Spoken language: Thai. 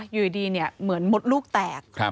อยู่ดีเหมือนมดลูกแตก